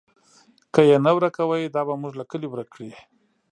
که یې نه ورکوئ، دا به موږ له کلي ورک کړي.